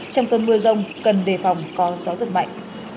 trong cơn mưa rông cần đề phòng có gió giật mạnh